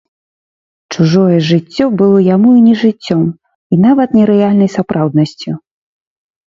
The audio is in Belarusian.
Чужое жыццё было яму і не жыццём, і нават не рэальнай сапраўднасцю.